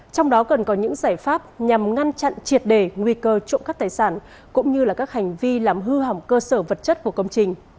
trong đó cần có những giải pháp nhằm ngăn chặn triệt đề nguy cơ trộm cắp tài sản cũng như các hành vi làm hư hỏng cơ sở vật chất của công trình